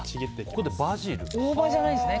ここはバジルなんですね。